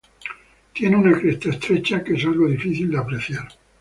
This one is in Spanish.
Tiene una cresta estrecha que es algo difícil de apreciar.